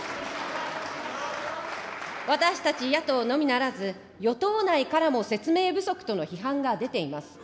私たち野党のみならず、与党内からも説明不足との批判が出ています。